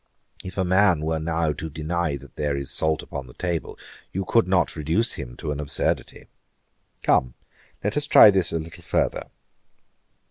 If a man were now to deny that there is salt upon the table, you could not reduce him to an absurdity. Come, let us try this a little further.